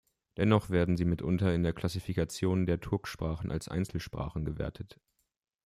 Dennoch werden sie mitunter in der Klassifikation der Turksprachen als Einzelsprachen gewertet.